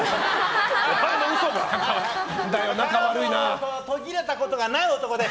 彼女が途切れたことがない男です。